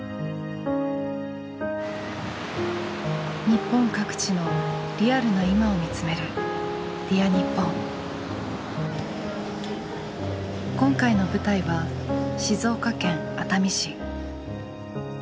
日本各地のリアルな今を見つめる今回の舞台は静岡県熱海市。